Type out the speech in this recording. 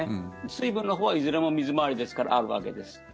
水分のほうはいずれも水回りですからあるわけです。